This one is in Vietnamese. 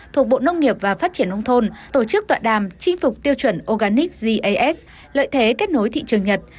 thuộc bộ nông nghiệp và phát triển nông thôn tổ chức tọa đàm chinh phục tiêu chuẩn organis gias lợi thế kết nối thị trường nhật